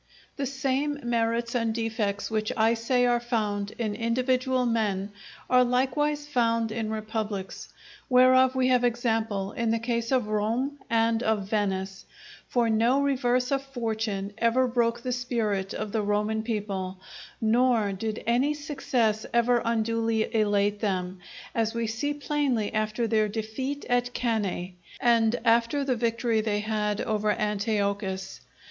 The same merits and defects which I say are found in individual men, are likewise found in republics, whereof we have example in the case of Rome and of Venice. For no reverse of fortune ever broke the spirit of the Roman people, nor did any success ever unduly elate them; as we see plainly after their defeat at Cannæ, and after the victory they had over Antiochus.